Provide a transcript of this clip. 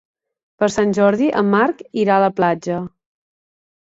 Per Sant Jordi en Marc irà a la platja.